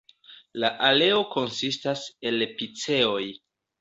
La aleo konsistas el piceoj.